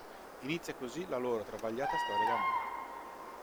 Inizia così la loro travagliata storia d'amore.